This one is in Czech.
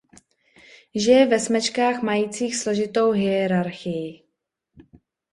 Žije ve smečkách majících složitou hierarchii.